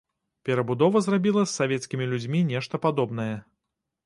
Перабудова зрабіла з савецкімі людзьмі нешта падобнае.